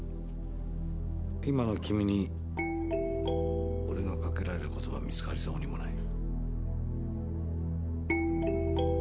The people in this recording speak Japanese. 今の君に俺がかけられる言葉は見つかりそうにもない。